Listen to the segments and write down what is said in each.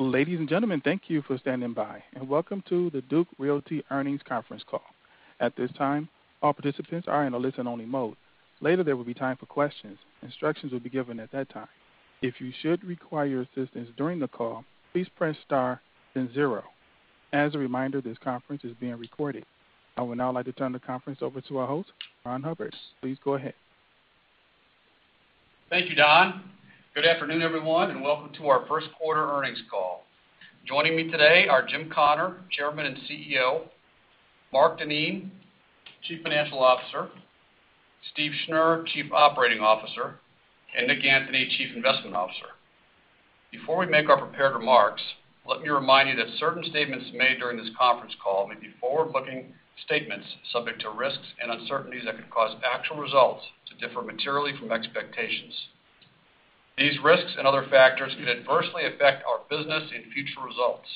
Ladies and gentlemen, thank you for standing by. Welcome to the Duke Realty Earnings Conference Call. At this time, all participants are in a listen-only mode. Later, there will be time for questions. Instructions will be given at that time. If you should require assistance during the call, please press star then zero. As a reminder, this conference is being recorded. I would now like to turn the conference over to our host, Ron Hubbard. Please go ahead. Thank you, Don. Good afternoon, everyone, and welcome to our first quarter earnings call. Joining me today are Jim Connor, Chairman and CEO, Mark Denien, Chief Financial Officer, Steve Schnur, Chief Operating Officer, and Nick Anthony, Chief Investment Officer. Before we make our prepared remarks, let me remind you that certain statements made during this conference call may be forward-looking statements subject to risks and uncertainties that could cause actual results to differ materially from expectations. These risks and other factors could adversely affect our business and future results.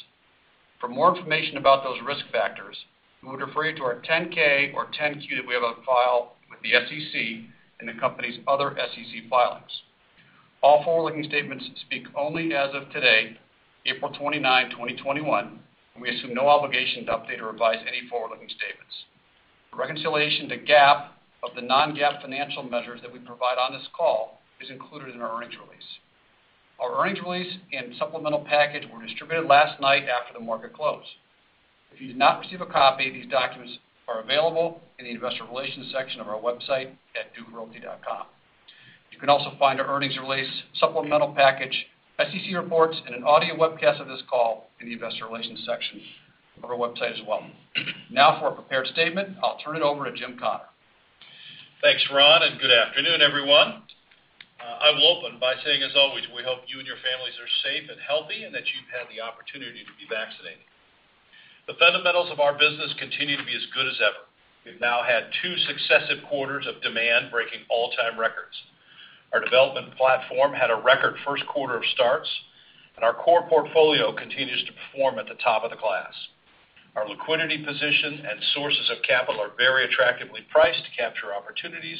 For more information about those risk factors, we would refer you to our 10K or 10Q that we have on file with the SEC and the company's other SEC filings. All forward-looking statements speak only as of today, April 29, 2021, and we assume no obligation to update or revise any forward-looking statements. The reconciliation to GAAP of the non-GAAP financial measures that we provide on this call is included in our earnings release. Our earnings release and supplemental package were distributed last night after the market closed. If you did not receive a copy, these documents are available in the investor relations section of our website at dukerealty.com. You can also find our earnings release, supplemental package, SEC reports, and an audio webcast of this call in the investor relations section of our website as well. Now for a prepared statement. I'll turn it over to Jim Connor. Thanks, Ron. Good afternoon, everyone. I will open by saying, as always, we hope you and your families are safe and healthy and that you've had the opportunity to be vaccinated. The fundamentals of our business continue to be as good as ever. We've now had two successive quarters of demand breaking all-time records. Our development platform had a record first quarter of starts, and our core portfolio continues to perform at the top of the class. Our liquidity position and sources of capital are very attractively priced to capture opportunities,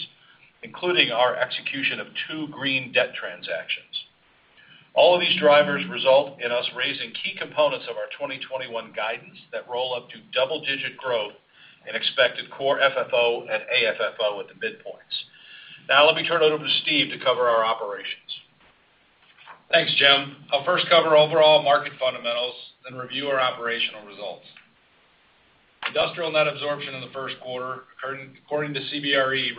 including our execution of two green debt transactions. All of these drivers result in us raising key components of our 2021 guidance that roll up to double-digit growth in expected core FFO and AFFO at the midpoints. Now let me turn it over to Steve to cover our operations. Thanks, Jim. I'll first cover overall market fundamentals, then review our operational results. Industrial net absorption in the first quarter, according to CBRE,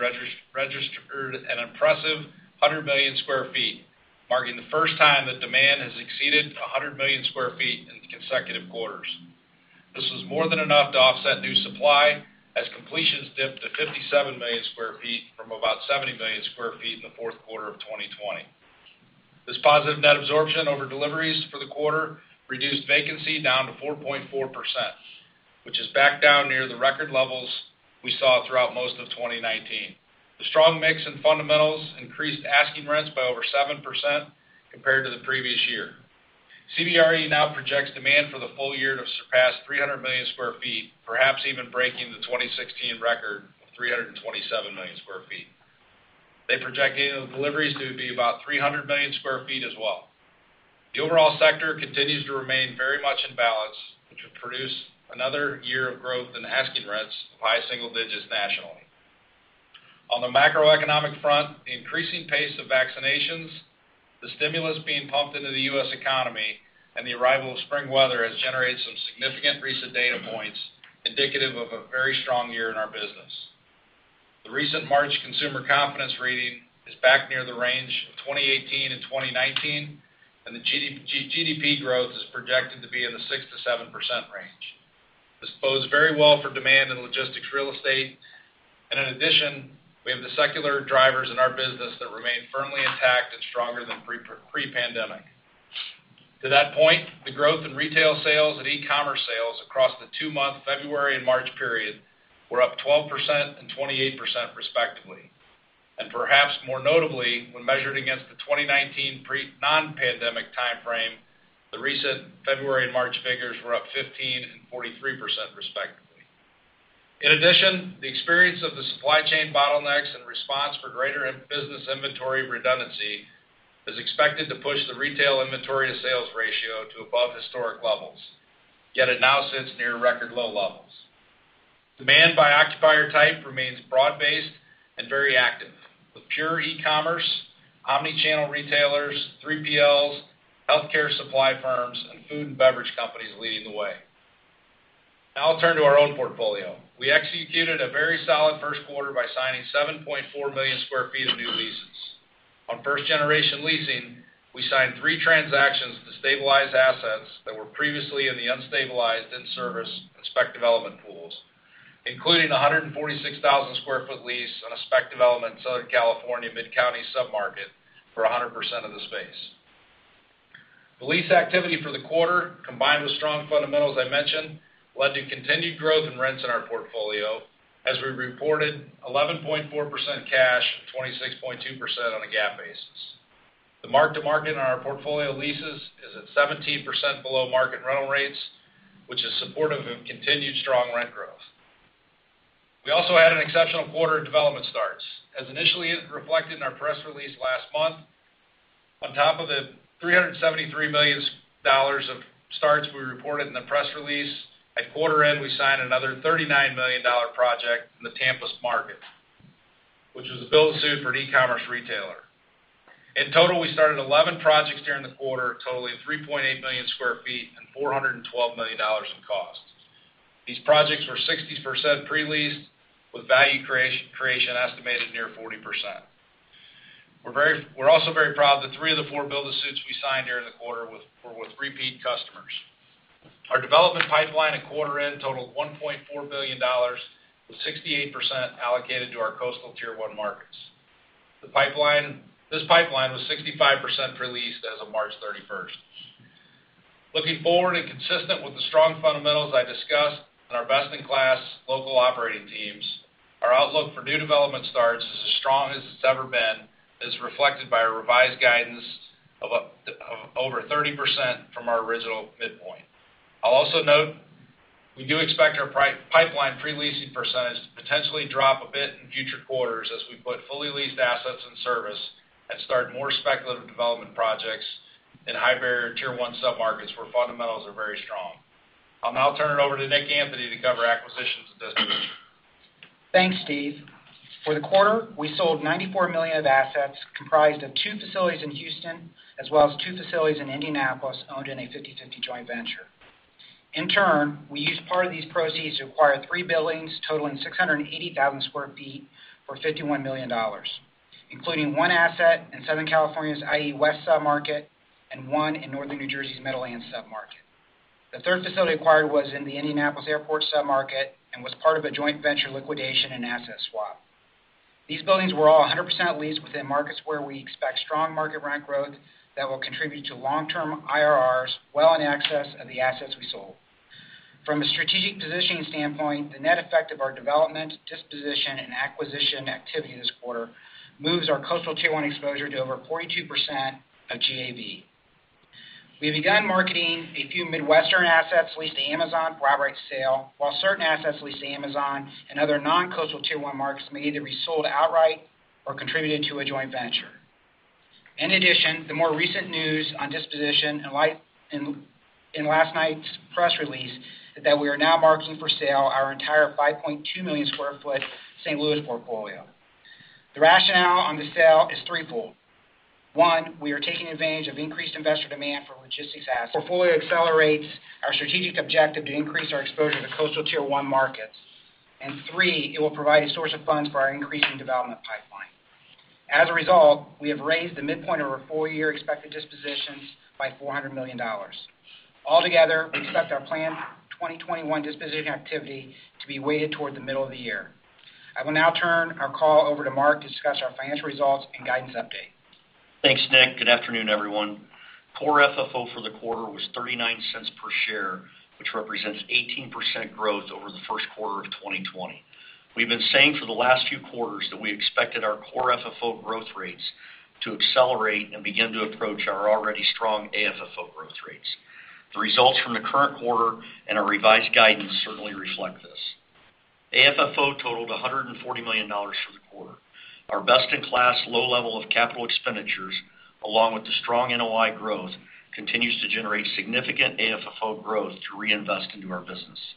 registered an impressive 100 million sq ft, marking the first time that demand has exceeded 100 million sq ft in consecutive quarters. This was more than enough to offset new supply, as completions dipped to 57 million sq ft from about 70 million sq ft in the fourth quarter of 2020. This positive net absorption over deliveries for the quarter reduced vacancy down to 4.4%, which is back down near the record levels we saw throughout most of 2019. The strong mix-in fundamentals increased asking rents by over 7% compared to the previous year. CBRE now projects demand for the full year to surpass 300 million sq ft, perhaps even breaking the 2016 record of 327 million sq ft. They project annual deliveries to be about 300 million sq ft as well. The overall sector continues to remain very much in balance, which would produce another year of growth in asking rents of high single digits nationally. On the macroeconomic front, the increasing pace of vaccinations, the stimulus being pumped into the U.S. economy, and the arrival of spring weather has generated some significant recent data points indicative of a very strong year in our business. The recent March consumer confidence reading is back near the range of 2018 and 2019. The GDP growth is projected to be in the 6%-7% range. This bodes very well for demand in logistics real estate. In addition, we have the secular drivers in our business that remain firmly intact and stronger than pre-pandemic. To that point, the growth in retail sales and e-commerce sales across the two-month February and March period were up 12% and 28% respectively, and perhaps more notably, when measured against the 2019 non-pandemic timeframe, the recent February and March figures were up 15% and 43% respectively. In addition, the experience of the supply chain bottlenecks and response for greater business inventory redundancy is expected to push the retail inventory to sales ratio to above historic levels, yet it now sits near record low levels. Demand by occupier type remains broad-based and very active, with pure e-commerce, omni-channel retailers, 3PLs, healthcare supply firms, and food and beverage companies leading the way. Now I'll turn to our own portfolio. We executed a very solid first quarter by signing 7.4 million sq ft of new leases. On first-generation leasing, we signed three transactions to stabilize assets that were previously in the unstabilized in-service and spec development pools, including a 146,000 sq ft lease on a spec development in Southern California Mid-Counties submarket for 100% of the space. The lease activity for the quarter, combined with strong fundamentals I mentioned, led to continued growth in rents in our portfolio, as we reported 11.4% cash and 26.2% on a GAAP basis. The mark to market on our portfolio leases is at 17% below market rental rates, which is supportive of continued strong rent growth. We also had an exceptional quarter of development starts. As initially reflected in our press release last month, on top of the $373 million of starts we reported in the press release, at quarter end, we signed another $39 million project in the Tampa market, which was a build-to-suit for an e-commerce retailer. In total, we started 11 projects during the quarter, totaling 3.8 million sq ft and $412 million in costs. These projects were 60% pre-leased with value creation estimated near 40%. We're also very proud that three of the four build-to-suits we signed during the quarter were with repeat customers. Our development pipeline at quarter end totaled $1.4 billion, with 68% allocated to our coastal Tier 1 markets. This pipeline was 65% pre-leased as of March 31st. Looking forward and consistent with the strong fundamentals I discussed and our best-in-class local operating teams, our outlook for new development starts is as strong as it's ever been, as reflected by our revised guidance of over 30% from our original midpoint. I'll also note, we do expect our pipeline pre-leasing percentage to potentially drop a bit in future quarters as we put fully leased assets in service and start more speculative development projects in high barrier Tier 1 sub-markets where fundamentals are very strong. I'll now turn it over to Nick Anthony to cover acquisitions and dispositions. Thanks, Steve. For the quarter, we sold $94 million of assets comprised of two facilities in Houston, as well as two facilities in Indianapolis owned in a 50/50 joint venture. In turn, we used part of these proceeds to acquire three buildings totaling 680,000 sq ft for $51 million, including one asset in Southern California's IE West sub-market and one in Northern New Jersey's Meadowlands sub-market. The third facility acquired was in the Indianapolis Airport sub-market and was part of a joint venture liquidation and asset swap. These buildings were all 100% leased within markets where we expect strong market rent growth that will contribute to long-term IRRs well in excess of the assets we sold. From a strategic positioning standpoint, the net effect of our development, disposition, and acquisition activity this quarter moves our coastal Tier 1 exposure to over 42% of GAV. We have begun marketing a few Midwestern assets leased to Amazon for outright sale, while certain assets leased to Amazon and other non-coastal Tier 1 markets may either be sold outright or contributed to a joint venture. In addition, the more recent news on disposition in last night's press release is that we are now marketing for sale our entire 5.2 million sq ft St. Louis portfolio. The rationale on the sale is threefold. One, we are taking advantage of increased investor demand for logistics assets. Portfolio accelerates our strategic objective to increase our exposure to coastal Tier 1 markets. Three, it will provide a source of funds for our increasing development pipeline. As a result, we have raised the midpoint of our full-year expected dispositions by $400 million. Altogether, we expect our planned 2021 disposition activity to be weighted toward the middle of the year. I will now turn our call over to Mark to discuss our financial results and guidance update. Thanks, Nick. Good afternoon, everyone. Core FFO for the quarter was $0.39 per share, which represents 18% growth over the first quarter of 2020. We've been saying for the last few quarters that we expected our core FFO growth rates to accelerate and begin to approach our already strong AFFO growth rates. The results from the current quarter and our revised guidance certainly reflect this. AFFO totaled $140 million for the quarter. Our best-in-class low level of capital expenditures, along with the strong NOI growth, continues to generate significant AFFO growth to reinvest into our business.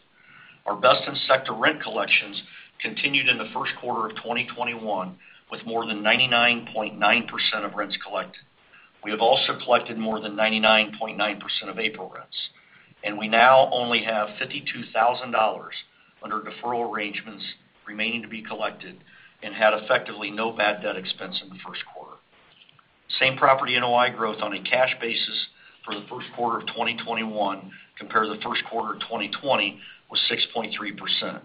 Our best-in-sector rent collections continued in the first quarter of 2021 with more than 99.9% of rents collected. We have also collected more than 99.9% of April rents, and we now only have $52,000 under deferral arrangements remaining to be collected and had effectively no bad debt expense in the first quarter. Same property NOI growth on a cash basis for the first quarter of 2021 compared to the first quarter of 2020 was 6.3%.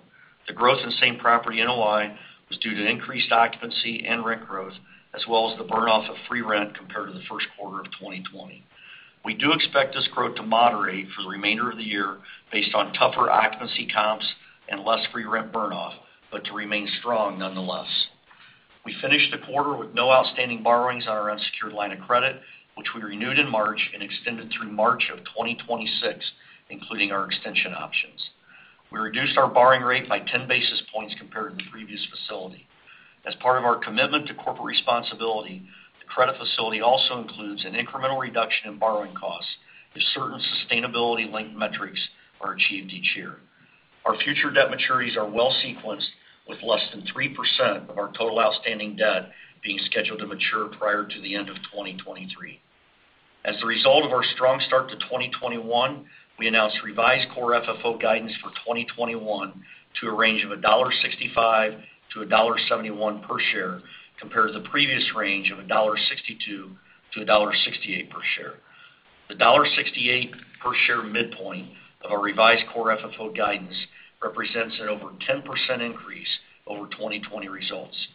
The growth in same property NOI was due to increased occupancy and rent growth, as well as the burn-off of free rent compared to the first quarter of 2020. We do expect this growth to moderate for the remainder of the year based on tougher occupancy comps and less free rent burn-off, but to remain strong nonetheless. We finished the quarter with no outstanding borrowings on our unsecured line of credit, which we renewed in March and extended through March of 2026, including our extension options. We reduced our borrowing rate by 10 basis points compared to the previous facility. As part of our commitment to corporate responsibility, the credit facility also includes an incremental reduction in borrowing costs if certain sustainability-linked metrics are achieved each year. Our future debt maturities are well sequenced with less than 3% of our total outstanding debt being scheduled to mature prior to the end of 2023. As a result of our strong start to 2021, we announced revised core FFO guidance for 2021 to a range of $1.65-$1.71 per share, compared to the previous range of $1.62-$1.68 per share. The $1.68 per share midpoint of our revised core FFO guidance represents an over 10% increase over 2020 results.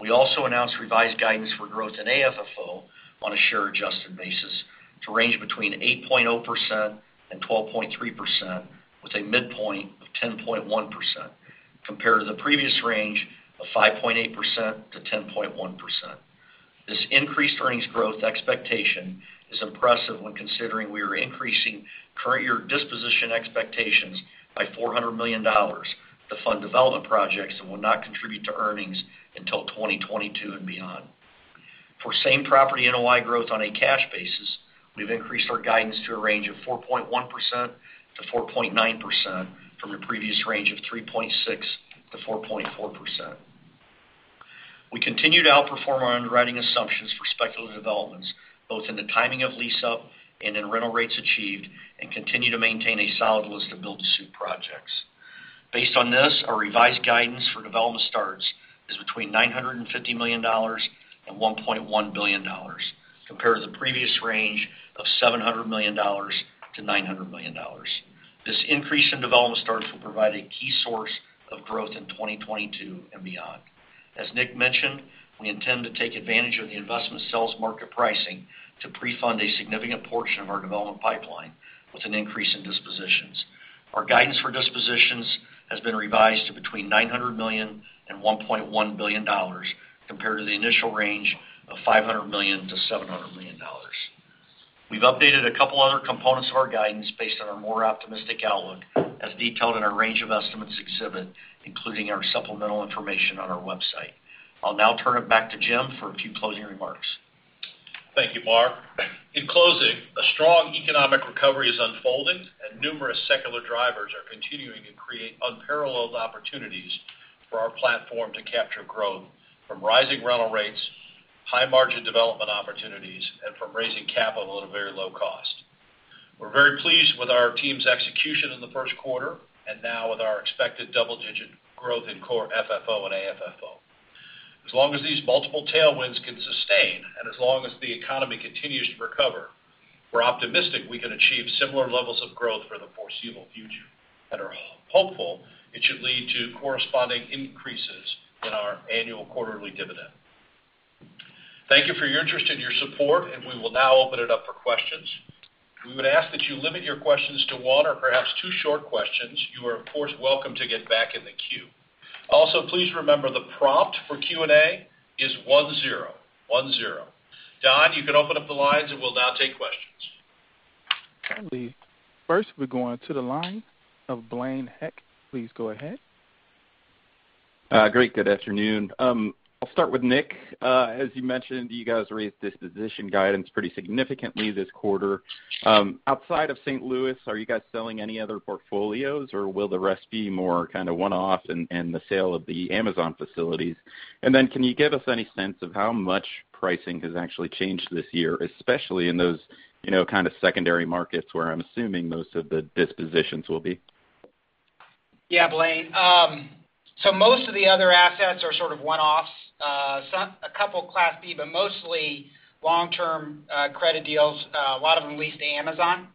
We also announced revised guidance for growth in AFFO on a share adjusted basis to range between 8.0% and 12.3%, with a midpoint of 10.1%, compared to the previous range of 5.8%-10.1%. This increased earnings growth expectation is impressive when considering we are increasing current year disposition expectations by $400 million to fund development projects that will not contribute to earnings until 2022 and beyond. For same-property NOI growth on a cash basis, we've increased our guidance to a range of 4.1% to 4.9%, from a previous range of 3.6% to 4.4%. We continue to outperform our underwriting assumptions for speculative developments, both in the timing of lease-up and in rental rates achieved, and continue to maintain a solid list of build-to-suit projects. Based on this, our revised guidance for development starts is between $950 million and $1.1 billion, compared to the previous range of $700 million to $900 million. This increase in development starts will provide a key source of growth in 2022 and beyond. As Nick mentioned, we intend to take advantage of the investment sales market pricing to pre-fund a significant portion of our development pipeline with an increase in dispositions. Our guidance for dispositions has been revised to between $900 million and $1.1 billion, compared to the initial range of $500 million-$700 million. We've updated a couple other components of our guidance based on our more optimistic outlook, as detailed in our range of estimates exhibit, including our supplemental information on our website. I'll now turn it back to Jim for a few closing remarks. Thank you, Mark. In closing, a strong economic recovery is unfolding, and numerous secular drivers are continuing to create unparalleled opportunities for our platform to capture growth from rising rental rates, high margin development opportunities, and from raising capital at a very low cost. We're very pleased with our team's execution in the first quarter, and now with our expected double-digit growth in core FFO and AFFO. As long as these multiple tailwinds can sustain, and as long as the economy continues to recover, we're optimistic we can achieve similar levels of growth for the foreseeable future. Are hopeful it should lead to corresponding increases in our annual quarterly dividend. Thank you for your interest and your support, and we will now open it up for questions. We would ask that you limit your questions to one or perhaps two short questions. You are, of course, welcome to get back in the queue. Please remember the prompt for Q&A is one zero. One zero. Don, you can open up the lines, and we'll now take questions. Okay. First, we'll be going to the line of Blaine Heck. Please go ahead. Great. Good afternoon. I'll start with Nick. As you mentioned, you guys raised disposition guidance pretty significantly this quarter. Outside of St. Louis, are you guys selling any other portfolios, or will the rest be more kind of one-off and the sale of the Amazon facilities? Can you give us any sense of how much pricing has actually changed this year, especially in those kind of secondary markets where I'm assuming most of the dispositions will be? Blaine, most of the other assets are sort of one-offs. A couple Class B, but mostly long-term credit deals, a lot of them leased to Amazon.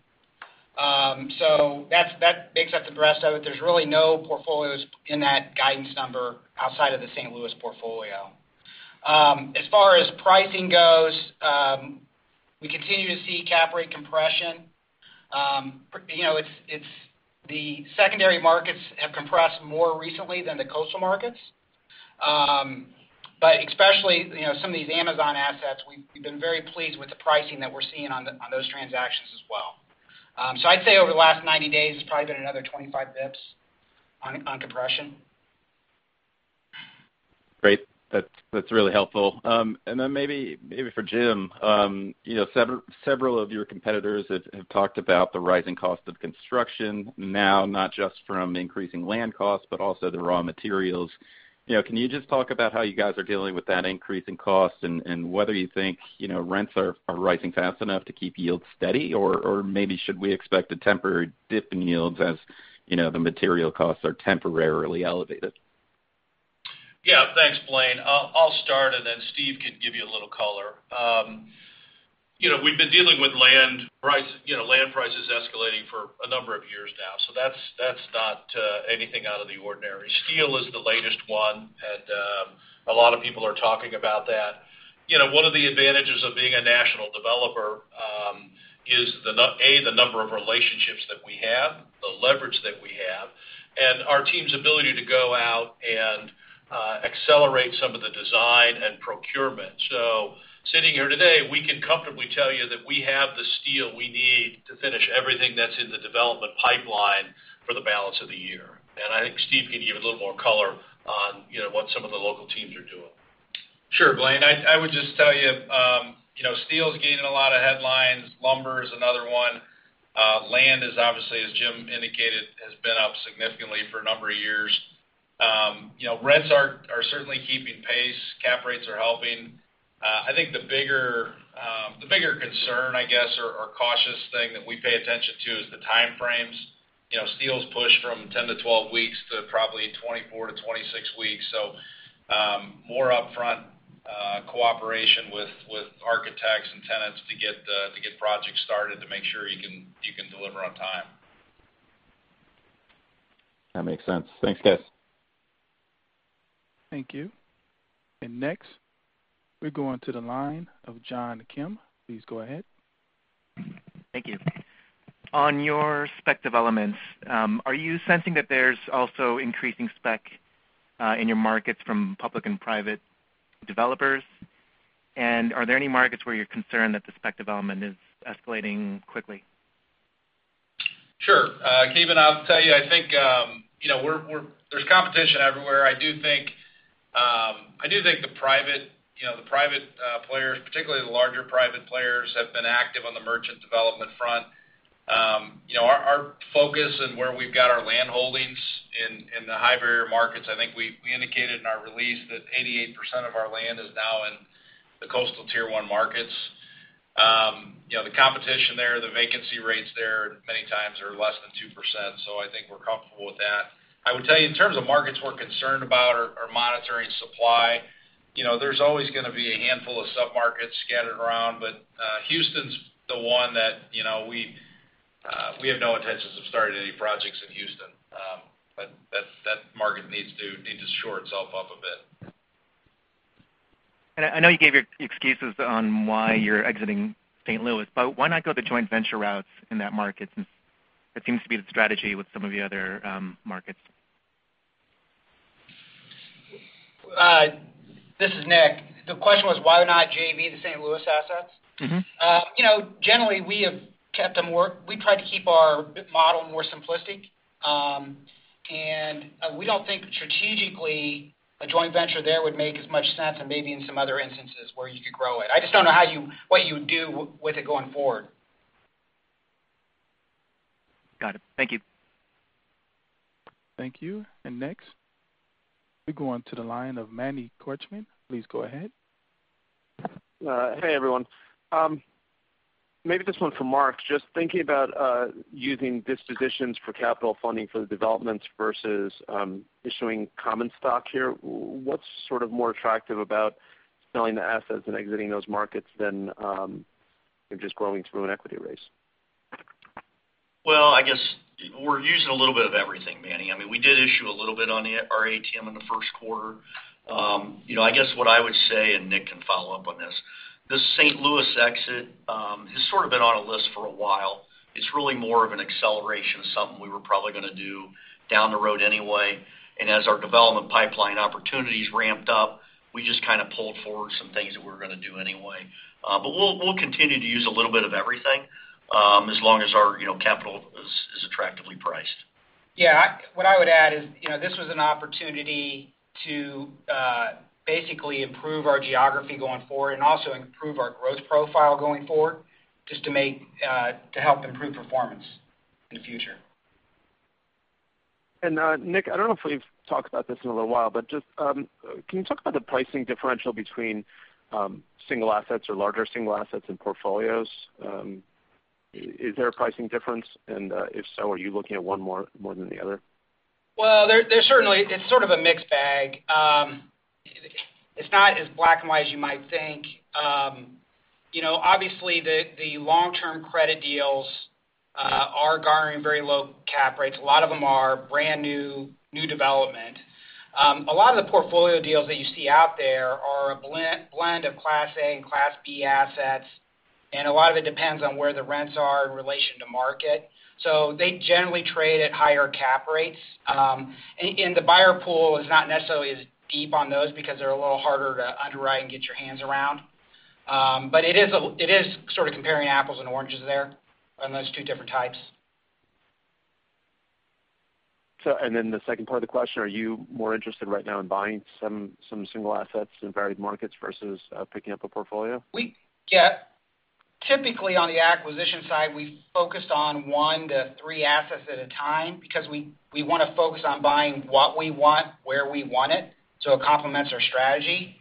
That makes up the rest of it. There's really no portfolios in that guidance number outside of the St. Louis portfolio. As far as pricing goes, we continue to see cap rate compression. The secondary markets have compressed more recently than the coastal markets. Especially some of these Amazon assets, we've been very pleased with the pricing that we're seeing on those transactions as well. I'd say over the last 90 days, it's probably been another 25 basis points on compression. Great. That's really helpful. Maybe for Jim. Several of your competitors have talked about the rising cost of construction now, not just from increasing land costs, but also the raw materials. Can you just talk about how you guys are dealing with that increase in cost and whether you think rents are rising fast enough to keep yields steady? Maybe should we expect a temporary dip in yields as the material costs are temporarily elevated? Thanks, Blaine. I'll start. Steve can give you a little color. We've been dealing with land prices escalating for a number of years now. That's not anything out of the ordinary. Steel is the latest one. A lot of people are talking about that. One of the advantages of being a national developer is, A, the number of relationships that we have, the leverage that we have, and our team's ability to go out and accelerate some of the design and procurement. Sitting here today, we can comfortably tell you that we have the steel we need to finish everything that's in the development pipeline for the balance of the year. I think Steve can give you a little more color on what some of the local teams are doing. Sure, Blaine. I would just tell you steel's gaining a lot of headlines. Lumber is another one. Land is obviously, as Jim indicated, has been up significantly for a number of years. Rents are certainly keeping pace. cap rates are helping. I think the bigger concern, I guess, or cautious thing that we pay attention to is the time frames. Steel's pushed from 10 to 12 weeks to probably 24 to 26 weeks. More upfront cooperation with architects and tenants to get projects started to make sure you can deliver on time. That makes sense. Thanks, guys. Thank you. Next, we go onto the line of John Kim. Please go ahead. Thank you. On your spec developments, are you sensing that there's also increasing spec in your markets from public and private developers? Are there any markets where you're concerned that the spec development is escalating quickly? Sure. Kim, I'll tell you, I think there's competition everywhere. I do think the private players, particularly the larger private players, have been active on the merchant development front. Our focus and where we've got our land holdings in the high barrier markets, I think we indicated in our release that 88% of our land is now in the coastal Tier 1 markets. The competition there, the vacancy rates there many times are less than 2%. I think we're comfortable with that. I would tell you in terms of markets we're concerned about or are monitoring supply, there's always going to be a handful of sub-markets scattered around. Houston's the one that we have no intentions of starting any projects in Houston. That market needs to shore itself up a bit. I know you gave your excuses on why you're exiting St. Louis, but why not go the joint venture route in that market since that seems to be the strategy with some of the other markets? This is Nick. The question was, why not JV the St. Louis assets? Generally, we try to keep our model more simplistic. We don't think strategically a joint venture there would make as much sense as maybe in some other instances where you could grow it. I just don't know what you would do with it going forward. Got it. Thank you. Thank you. Next, we go on to the line of Manny Korchman. Please go ahead. Hey, everyone. Maybe this one's for Mark. Just thinking about using dispositions for capital funding for the developments versus issuing common stock here. What's sort of more attractive about selling the assets and exiting those markets than just growing through an equity raise? Well, I guess we're using a little bit of everything, Manny. We did issue a little bit on our ATM in the first quarter. I guess what I would say, and Nick can follow up on this St. Louis exit has sort of been on a list for a while. It's really more of an acceleration of something we were probably going to do down the road anyway. As our development pipeline opportunities ramped up, we just kind of pulled forward some things that we were going to do anyway. We'll continue to use a little bit of everything, as long as our capital is attractively priced. Yeah. What I would add is, this was an opportunity to basically improve our geography going forward and also improve our growth profile going forward, just to help improve performance in the future. Nick, I don't know if we've talked about this in a little while, but can you talk about the pricing differential between single assets or larger single assets and portfolios? Is there a pricing difference? If so, are you looking at one more than the other? Well, it's sort of a mixed bag. It's not as black and white as you might think. Obviously, the long-term credit deals are garnering very low cap rates. A lot of them are brand new development. A lot of the portfolio deals that you see out there are a blend of Class A and Class B assets, and a lot of it depends on where the rents are in relation to market. They generally trade at higher cap rates. The buyer pool is not necessarily as deep on those because they're a little harder to underwrite and get your hands around. It is sort of comparing apples and oranges there on those two different types. The second part of the question, are you more interested right now in buying some single assets in varied markets versus picking up a portfolio? Typically, on the acquisition side, we've focused on one to three assets at a time because we want to focus on buying what we want, where we want it, so it complements our strategy.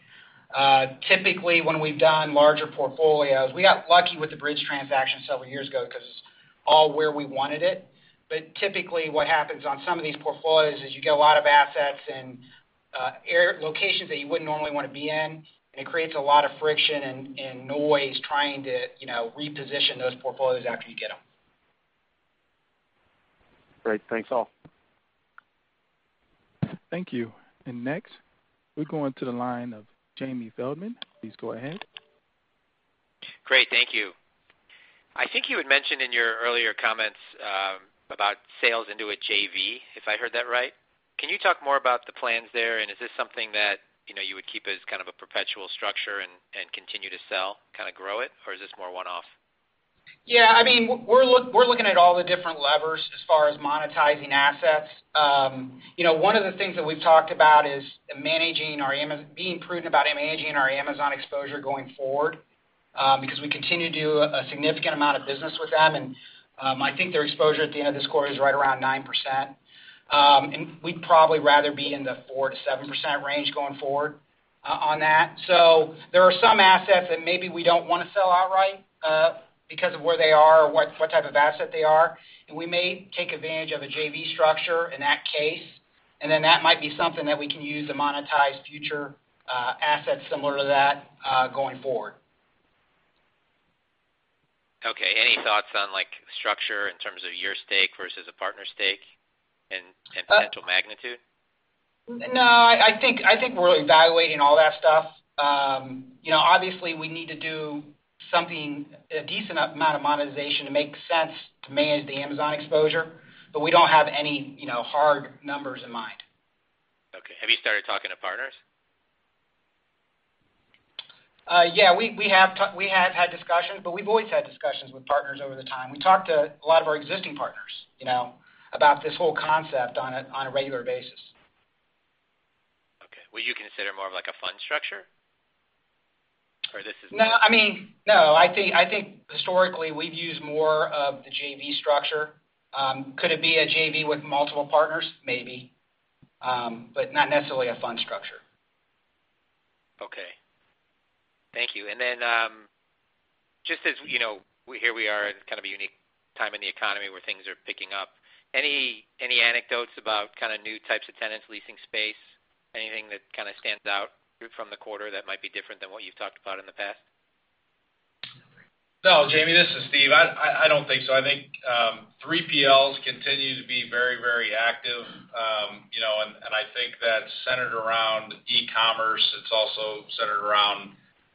Typically, when we've done larger portfolios, we got lucky with the Bridge transaction several years ago because it's all where we wanted it. Typically, what happens on some of these portfolios is you get a lot of assets in locations that you wouldn't normally want to be in, and it creates a lot of friction and noise trying to reposition those portfolios after you get them. Great. Thanks, all. Thank you. Next, we go on to the line of Jamie Feldman. Please go ahead. Great. Thank you. I think you had mentioned in your earlier comments about sales into a JV, if I heard that right? Can you talk more about the plans there, and is this something that you would keep as kind of a perpetual structure and continue to sell, kind of grow it, or is this more one-off? Yeah. We're looking at all the different levers as far as monetizing assets. One of the things that we've talked about is being prudent about managing our Amazon exposure going forward, because we continue to do a significant amount of business with them. I think their exposure at the end of this quarter is right around 9%. We'd probably rather be in the 4%-7% range going forward on that. There are some assets that maybe we don't want to sell outright because of where they are or what type of asset they are. We may take advantage of a JV structure in that case. That might be something that we can use to monetize future assets similar to that going forward. Okay. Any thoughts on structure in terms of your stake versus a partner stake and potential magnitude? No, I think we're evaluating all that stuff. Obviously, we need to do a decent amount of monetization to make sense to manage the Amazon exposure, but we don't have any hard numbers in mind. Okay. Have you started talking to partners? Yeah, we have had discussions, but we've always had discussions with partners over the time. We talked to a lot of our existing partners about this whole concept on a regular basis. Okay. Would you consider more of like a fund structure? No. I think historically we've used more of the JV structure. Could it be a JV with multiple partners? Maybe. Not necessarily a fund structure. Okay. Thank you. Just as here we are in kind of a unique time in the economy where things are picking up, any anecdotes about kind of new types of tenants leasing space? Anything that kind of stands out from the quarter that might be different than what you've talked about in the past? No, Jamie, this is Steve. I don't think so. I think 3PLs continue to be very active. I think that's centered around e-commerce. It's also centered around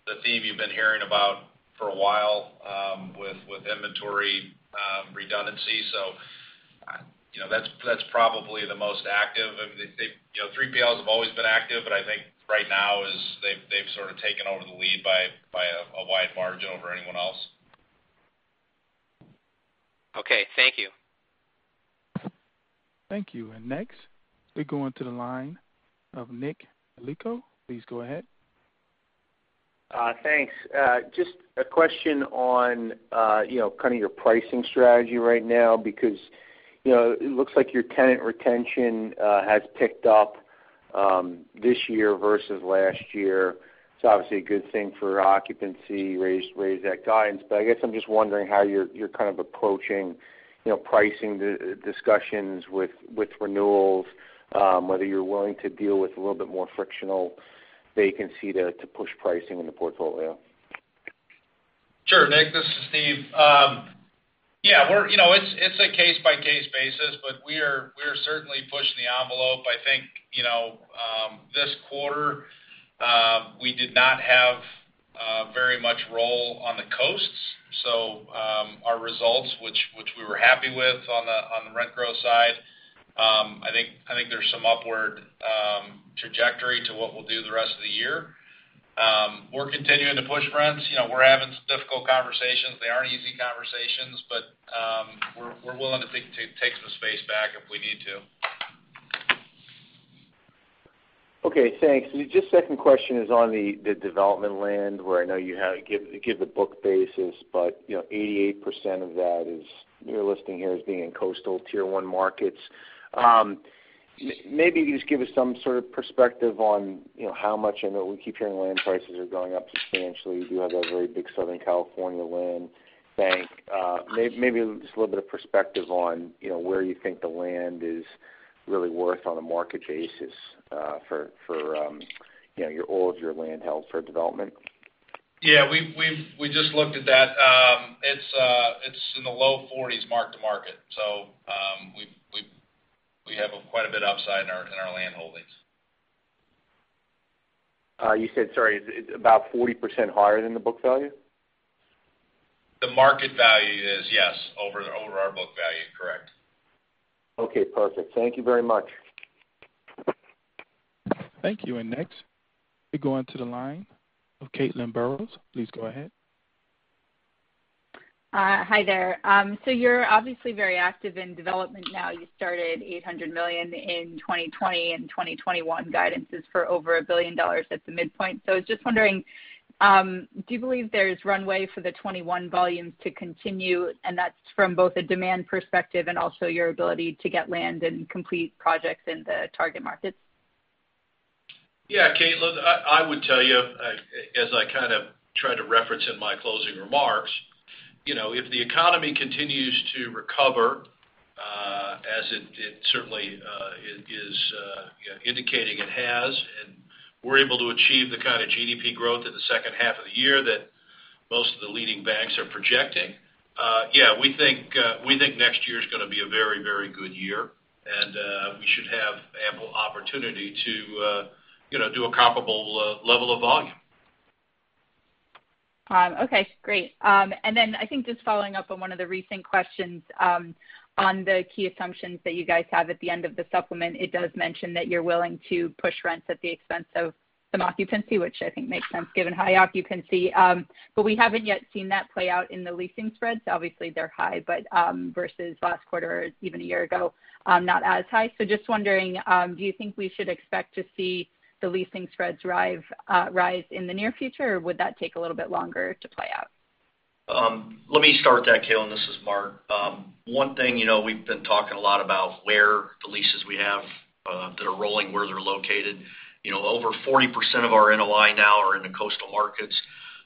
the theme you've been hearing about for a while, with inventory redundancy. That's probably the most active. 3PLs have always been active, but I think right now they've sort of taken over the lead by a wide margin over anyone else. Okay. Thank you. Thank you. Next, we go into the line of Nick Yulico. Please go ahead. Thanks. Just a question on kind of your pricing strategy right now, because it looks like your tenant retention has picked up this year versus last year. It's obviously a good thing for occupancy, raise that guidance. I guess I'm just wondering how you're kind of approaching pricing discussions with renewals, whether you're willing to deal with a little bit more frictional vacancy to push pricing in the portfolio. Sure, Nick. This is Steve. Yeah. It's a case-by-case basis, but we are certainly pushing the envelope. I think this quarter, we did not have very much roll on the coasts. Our results, which we were happy with on the rent growth side, I think there's some upward trajectory to what we'll do the rest of the year. We're continuing to push rents. We're having some difficult conversations. They aren't easy conversations. We're willing to take some space back if we need to. Okay, thanks. Just second question is on the development land, where I know you give the book basis, but 88% of that is you're listing here as being in coastal Tier 1 markets. Maybe just give us some sort of perspective on how much I know we keep hearing land prices are going up substantially. You do have that very big Southern California land bank. Maybe just a little bit of perspective on where you think the land is really worth on a market basis for all of your land held for development? Yeah. We just looked at that. It's in the low 40s mark-to-market. We have quite a bit upside in our land holdings. You said, sorry, it's about 40% higher than the book value? The market value is, yes, over our book value. Correct. Okay, perfect. Thank you very much. Thank you. Next, we go onto the line of Caitlin Burrows. Please go ahead. Hi there. You're obviously very active in development now. You started $800 million in 2020, and 2021 guidance is for over $1 billion at the midpoint. I was just wondering, do you believe there's runway for the 2021 volumes to continue, and that's from both a demand perspective and also your ability to get land and complete projects in the target markets? Caitlin. I would tell you, as I kind of tried to reference in my closing remarks, if the economy continues to recover, as it certainly is indicating it has, and we're able to achieve the kind of GDP growth in the second half of the year that most of the leading banks are projecting, we think next year's gonna be a very good year. We should have ample opportunity to do a comparable level of volume. Okay. Great. I think just following up on one of the recent questions, on the key assumptions that you guys have at the end of the supplement, it does mention that you're willing to push rents at the expense of some occupancy, which I think makes sense given high occupancy. We haven't yet seen that play out in the leasing spreads. Obviously, they're high, but versus last quarter or even a year ago, not as high. Just wondering, do you think we should expect to see the leasing spreads rise in the near future, or would that take a little bit longer to play out? Let me start that, Caitlin. This is Mark. One thing we've been talking a lot about where the leases we have that are rolling, where they're located. Over 40% of our NOI now are in the coastal markets.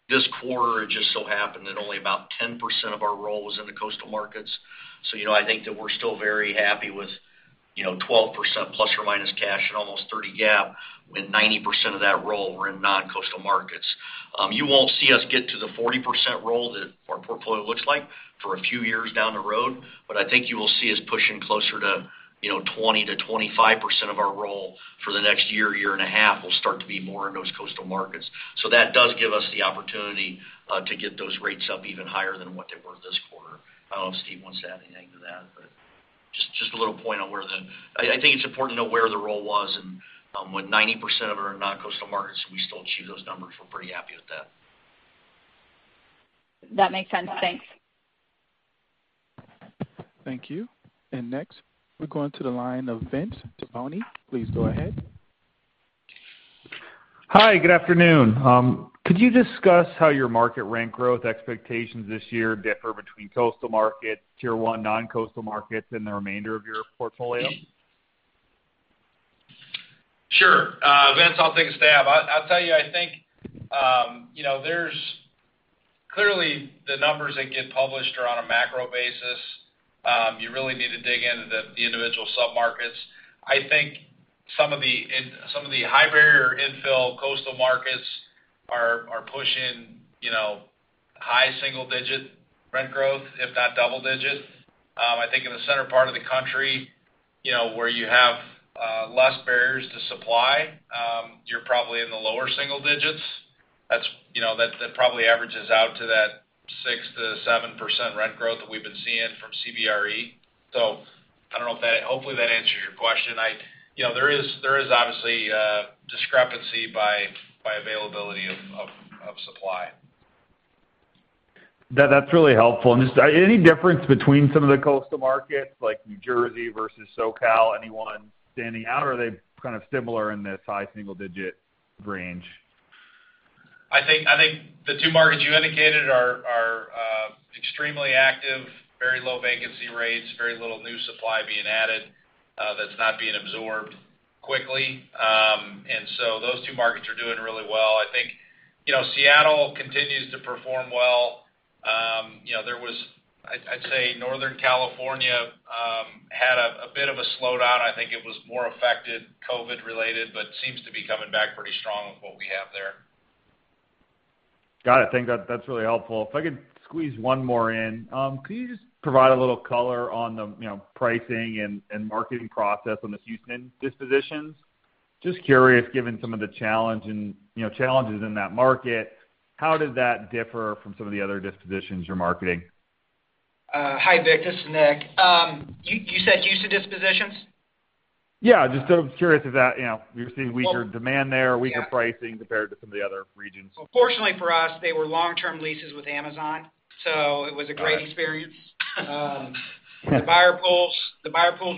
This quarter, it just so happened that only about 10% of our roll was in the coastal markets. I think that we're still very happy with 12% plus or minus cash and almost 30% GAAP when 90% of that roll were in non-coastal markets. You won't see us get to the 40% roll that our portfolio looks like for a few years down the road, but I think you will see us pushing closer to 20%-25% of our roll for the next year and a half, will start to be more in those coastal markets. That does give us the opportunity to get those rates up even higher than what they were this quarter. I don't know if Steve wants to add anything to that, but just a little point on where I think it's important to know where the roll was, and when 90% of it are in non-coastal markets, and we still achieve those numbers, we're pretty happy with that. That makes sense. Thanks. Thank you. Next, we go onto the line of Vince Tibone. Please go ahead. Hi, good afternoon. Could you discuss how your market rent growth expectations this year differ between coastal markets, Tier 1 non-coastal markets, and the remainder of your portfolio? Sure. Vince, I'll take a stab. I'll tell you, I think, clearly, the numbers that get published are on a macro basis. You really need to dig into the individual sub-markets. I think some of the high barrier infill coastal markets are pushing high single-digit rent growth, if not double digit. I think in the center part of the country, where you have less barriers to supply, you're probably in the lower single digits. That probably averages out to that 6%-7% rent growth that we've been seeing from CBRE. Hopefully that answers your question. There is obviously a discrepancy by availability of supply. That's really helpful. Just, any difference between some of the coastal markets, like New Jersey versus SoCal? Anyone standing out, or are they kind of similar in this high single-digit range? I think the two markets you indicated are extremely active, very low vacancy rates, very little new supply being added that's not being absorbed quickly. Those two markets are doing really well. I think Seattle continues to perform well. There was, I'd say, Northern California had a bit of a slowdown. I think it was more affected COVID-related, but seems to be coming back pretty strong with what we have there. Got it. Thank you. That's really helpful. If I could squeeze one more in, could you just provide a little color on the pricing and marketing process on the Houston dispositions? Just curious, given some of the challenges in that market, how did that differ from some of the other dispositions you're marketing? Hi, Vince. This is Nick. You said Houston dispositions? Yeah, just sort of curious you're seeing weaker demand there? Weaker pricing compared to some of the other regions. Fortunately for us, they were long-term leases with Amazon, so it was a great experience. The buyer pools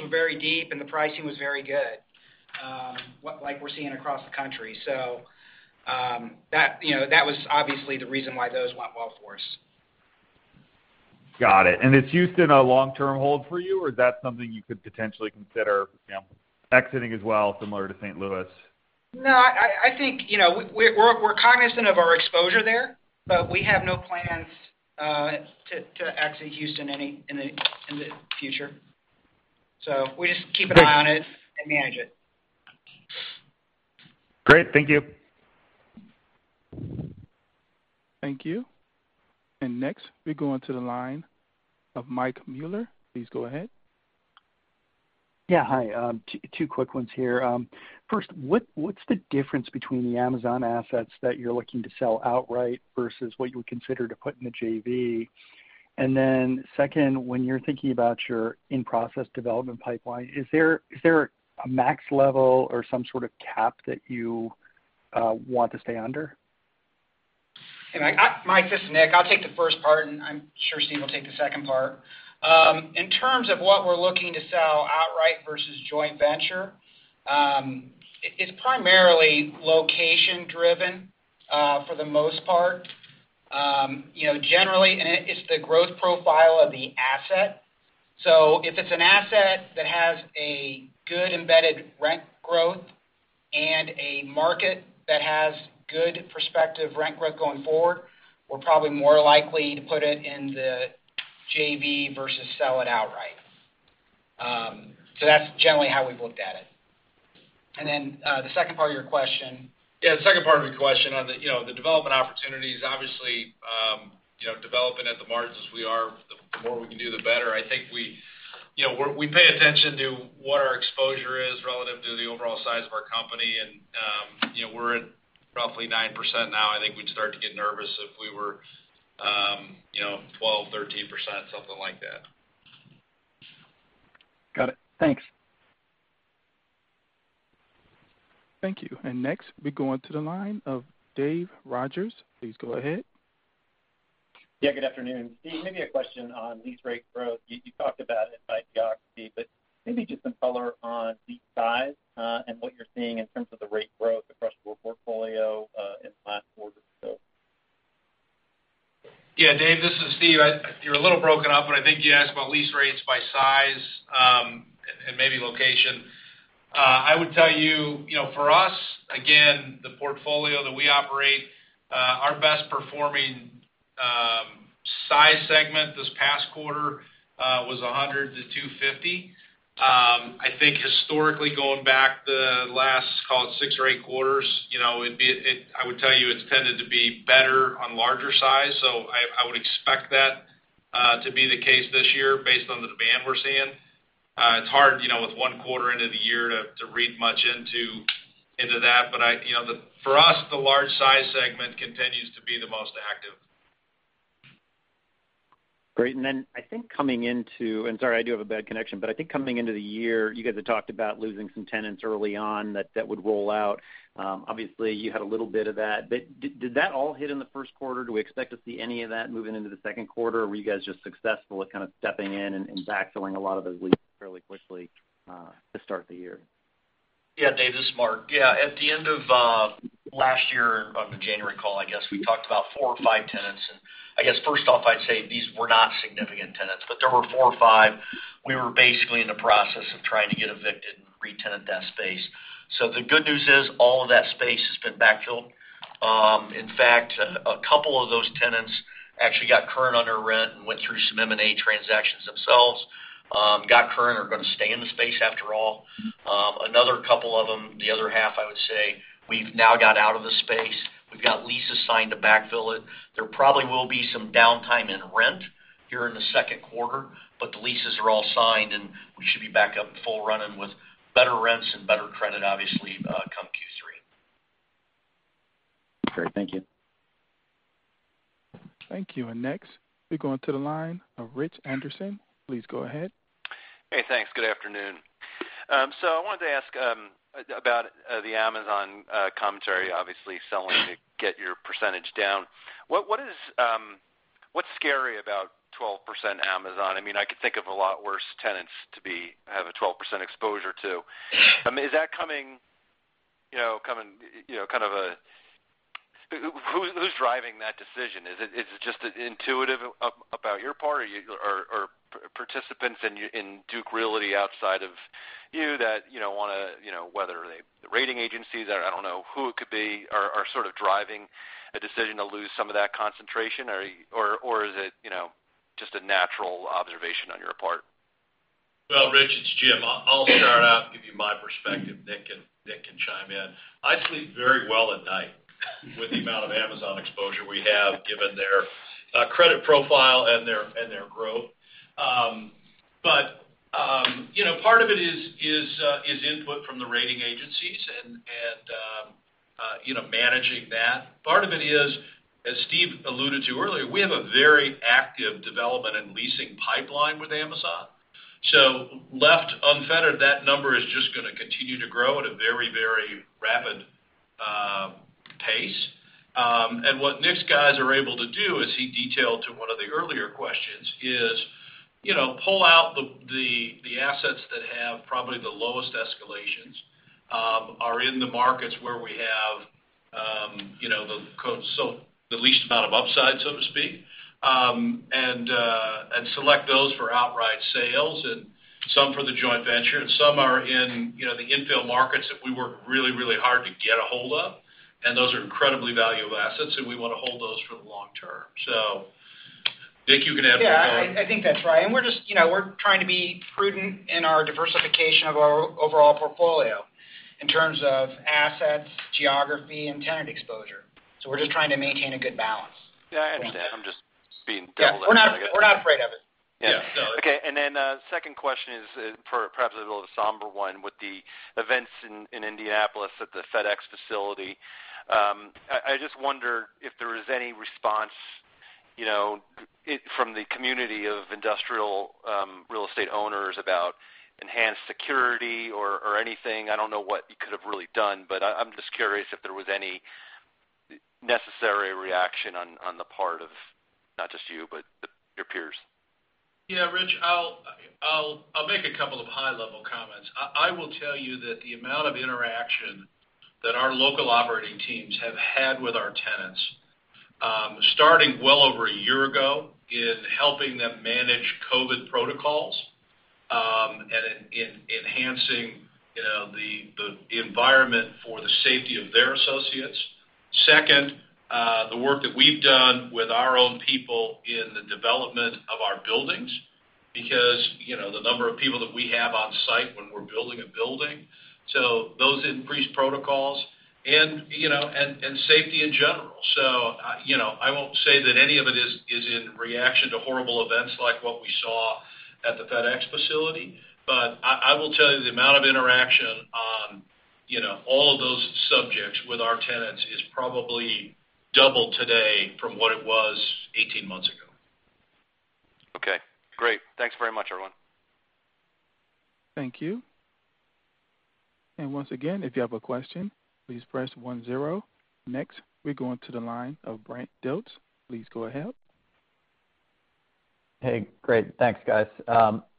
were very deep and the pricing was very good, like we're seeing across the country. That was obviously the reason why those went well for us. Got it. Is Houston a long-term hold for you, or is that something you could potentially consider exiting as well, similar to St. Louis? I think, we're cognizant of our exposure there, but we have no plans to exit Houston in the future. We just keep an eye on it and manage it. Great. Thank you. Thank you. Next, we go onto the line of Mike Mueller. Please go ahead. Yeah. Hi. Two quick ones here. First, what's the difference between the Amazon assets that you're looking to sell outright versus what you would consider to put in the JV? Second, when you're thinking about your in-process development pipeline, is there a max level or some sort of cap that you want to stay under? Hey, Mike, this is Nick. I'll take the first part, and I'm sure Steve will take the second part. In terms of what we're looking to sell outright versus joint venture, it's primarily location driven, for the most part. Generally, it's the growth profile of the asset. If it's an asset that has a good embedded rent growth and a market that has good prospective rent growth going forward, we're probably more likely to put it in the JV versus sell it outright. That's generally how we've looked at it. The second part of your question. Yeah, the second part of your question on the development opportunities, obviously, developing at the margins as we are, the more we can do, the better. I think we pay attention to what our exposure is relative to the overall size of our company. We're at roughly 9% now. I think we'd start to get nervous if we were 12%, 13%, something like that. Got it. Thanks. Thank you. Next, we go onto the line of Dave Rodgers. Please go ahead. Yeah, good afternoon. Steve, maybe a question on lease rate growth. You talked about it by geography, maybe just some color on the size and what you're seeing in terms of the rate growth across your portfolio in the last quarter or so. Yeah, Dave, this is Steve. You were a little broken up, but I think you asked about lease rates by size, and maybe location. I would tell you, for us, again, the portfolio that we operate, our best performing Size segment this past quarter was 100 to 250. I think historically, going back the last, call it six or eight quarters, I would tell you it's tended to be better on larger size. I would expect that to be the case this year based on the demand we're seeing. It's hard, with one quarter into the year, to read much into that. For us, the large size segment continues to be the most active. Great. Sorry, I do have a bad connection. I think coming into the year, you guys had talked about losing some tenants early on that would roll out. Obviously, you had a little bit of that. Did that all hit in the first quarter? Do we expect to see any of that moving into the second quarter? Were you guys just successful at kind of stepping in and backfilling a lot of those leases fairly quickly to start the year? Dave, this is Mark. At the end of last year, on the January call, I guess, we talked about four or five tenants. I guess first off, I'd say these were not significant tenants, but there were four or five we were basically in the process of trying to get evicted and re-tenant that space. The good news is all of that space has been backfilled. In fact, a couple of those tenants actually got current on their rent and went through some M&A transactions themselves, got current, are going to stay in the space after all. Another couple of them, the other half, I would say, we've now got out of the space. We've got leases signed to backfill it. There probably will be some downtime in rent here in the second quarter, but the leases are all signed, and we should be back up and full running with better rents and better credit, obviously, come Q3. Great. Thank you. Thank you. Next, we go on to the line of Rich Anderson. Please go ahead. Hey, thanks. Good afternoon. I wanted to ask about the Amazon commentary, obviously selling to get your percentage down. What's scary about 12% Amazon? I could think of a lot worse tenants to have a 12% exposure to. Who's driving that decision? Is it just intuitive about your part, or participants in Duke Realty outside of you that want to, whether the rating agencies, I don't know who it could be, are sort of driving a decision to lose some of that concentration? Is it just a natural observation on your part? Well, Rich, it's Jim. I'll start out and give you my perspective. Nick can chime in. I sleep very well at night with the amount of Amazon exposure we have, given their credit profile and their growth. Part of it is input from the rating agencies and managing that. Part of it is, as Steve alluded to earlier, we have a very active development and leasing pipeline with Amazon. Left unfettered, that number is just going to continue to grow at a very rapid pace. What Nick's guys are able to do, as he detailed to one of the earlier questions, is pull out the assets that have probably the lowest escalations, are in the markets where we have the least amount of upside, so to speak, and select those for outright sales and some for the joint venture. Some are in the infill markets that we work really hard to get a hold of, and those are incredibly valuable assets, and we want to hold those for the long term. Nick, you can add to that. Yeah, I think that's right. We're trying to be prudent in our diversification of our overall portfolio in terms of assets, geography, and tenant exposure. We're just trying to maintain a good balance. Yeah, I understand. I'm just being devil's advocate. Yeah. We're not afraid of it. Yeah. Okay. Second question is perhaps a little somber one. With the events in Indianapolis at the FedEx facility, I just wonder if there was any response from the community of industrial real estate owners about enhanced security or anything. I don't know what you could've really done, but I'm just curious if there was any necessary reaction on the part of not just you, but your peers. Yeah, Rich. I'll make a couple of high-level comments. I will tell you that the amount of interaction that our local operating teams have had with our tenants, starting well over a year ago, in helping them manage COVID protocols and in enhancing the environment for the safety of their associates. Second, the work that we've done with our own people in the development of our buildings, because the number of people that we have on site when we're building a building. Those increased protocols and safety in general. I won't say that any of it is in reaction to horrible events like what we saw at the FedEx facility, but I will tell you the amount of interaction on all of those subjects with our tenants is probably double today from what it was 18 months ago. Okay, great. Thanks very much, everyone. Thank you. Once again, if you have a question, please press one zero. We go on to the line of Brent Dilts. Please go ahead. Hey, great. Thanks, guys.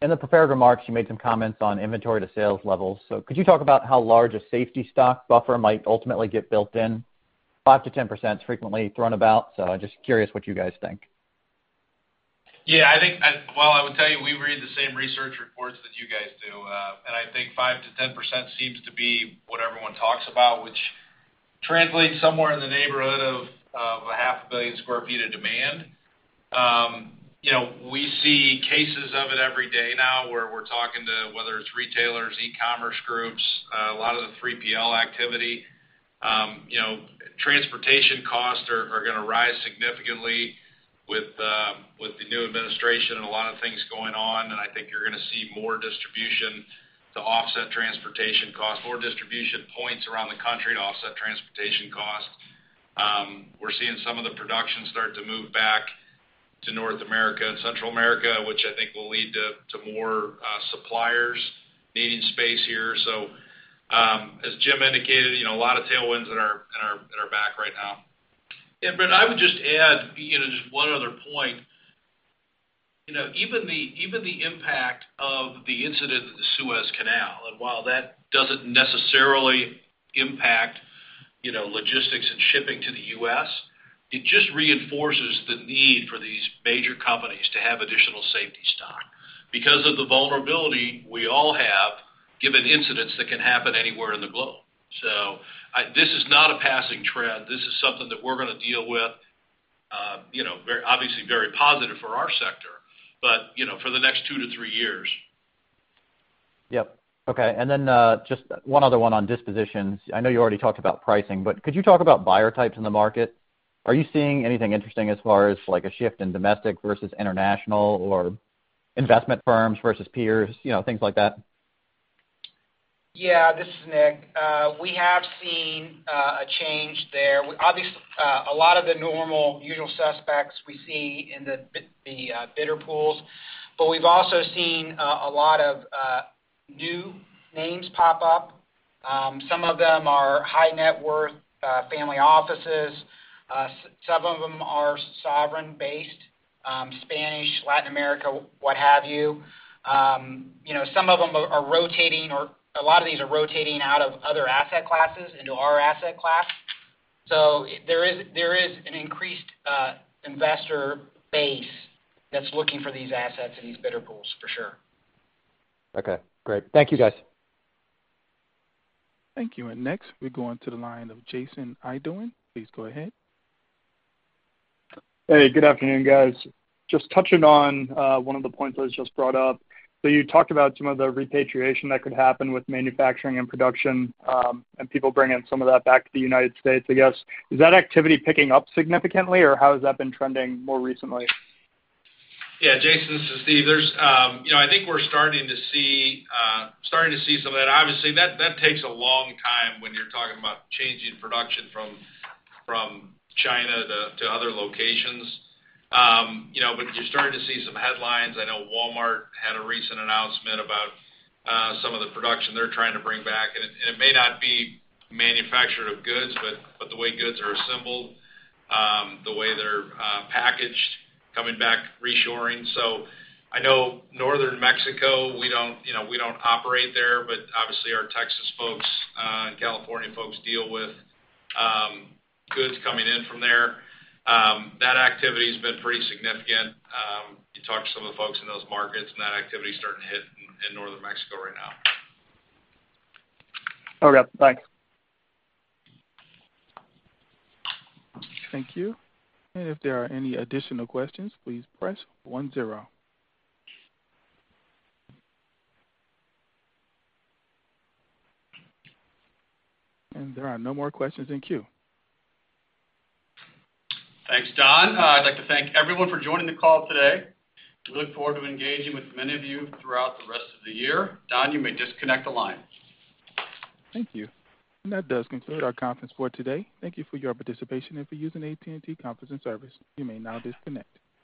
In the prepared remarks, you made some comments on inventory to sales levels. Could you talk about how large a safety stock buffer might ultimately get built in? 5%-10% is frequently thrown about, just curious what you guys think. Yeah. Well, I would tell you, we read the same research reports that you guys do. I think 5%-10% seems to be what everyone talks about, which translates somewhere in the neighborhood of a half a billion sq ft of demand. We see cases of it every day now where we're talking to, whether it's retailers, e-commerce groups, a lot of the 3PL activity. Transportation costs are going to rise significantly with the new administration and a lot of things going on. I think you're going to see more distribution to offset transportation costs, more distribution points around the country to offset transportation costs. We're seeing some of the production start to move back to North America and Central America, which I think will lead to more suppliers needing space here. As Jim indicated, a lot of tailwinds at our back right now. Yeah, I would just add just one other point. Even the impact of the incident at the Suez Canal, while that doesn't necessarily impact logistics and shipping to the U.S., it just reinforces the need for these major companies to have additional safety stock because of the vulnerability we all have given incidents that can happen anywhere in the globe. This is not a passing trend. This is something that we're going to deal with, obviously very positive for our sector, but for the next two to three years. Yep. Okay. Just one other one on dispositions. I know you already talked about pricing, but could you talk about buyer types in the market? Are you seeing anything interesting as far as a shift in domestic versus international or investment firms versus peers, things like that? Yeah. This is Nick. We have seen a change there. A lot of the normal usual suspects we see in the bidder pools. We've also seen a lot of new names pop up. Some of them are high-net-worth family offices. Some of them are sovereign based, Spanish, Latin America, what have you. A lot of these are rotating out of other asset classes into our asset class. There is an increased investor base that's looking for these assets and these bidder pools, for sure. Okay, great. Thank you, guys. Thank you. Next, we go onto the line of Jason Idoine. Please go ahead. Hey, good afternoon, guys. Just touching on one of the points that was just brought up. You talked about some of the repatriation that could happen with manufacturing and production, and people bringing some of that back to the United States, I guess. Is that activity picking up significantly, or how has that been trending more recently? Yeah, Jason, this is Steve. I think we're starting to see some of that. Obviously, that takes a long time when you're talking about changing production from China to other locations. You're starting to see some headlines. I know Walmart had a recent announcement about some of the production they're trying to bring back. It may not be manufacture of goods, but the way goods are assembled, the way they're packaged, coming back, reshoring. I know northern Mexico, we don't operate there, but obviously, our Texas folks and California folks deal with goods coming in from there. That activity's been pretty significant. You talk to some of the folks in those markets, that activity's starting to hit in northern Mexico right now. Okay. Thanks. Thank you. If there are any additional questions, please press one zero. There are no more questions in queue. Thanks, Don. I'd like to thank everyone for joining the call today. We look forward to engaging with many of you throughout the rest of the year. Don, you may disconnect the line. Thank you. That does conclude our conference for today. Thank you for your participation and for using AT&T conferencing service. You may now disconnect.